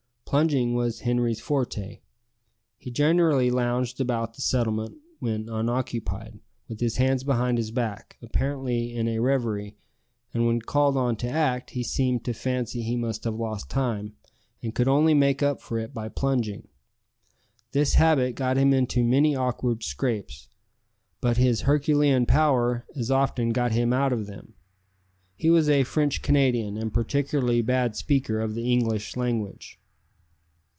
Plunging was Henri's forte. He generally lounged about the settlement when unoccupied, with his hands behind his back, apparently in a reverie, and when called on to act, he seemed to fancy he must have lost time, and could only make up for it by plunging. This habit got him into many awkward scrapes, but his herculean power as often got him out of them. He was a French Canadian, and a particularly bad speaker of the English language.